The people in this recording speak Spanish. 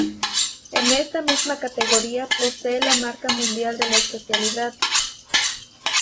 En esta misma categoría posee la marca mundial de la especialidad.